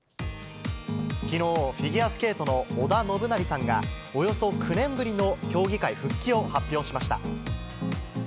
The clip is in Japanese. きのう、フィギュアスケートの織田信成さんが、およそ９年ぶりの競技会復帰を発表しました。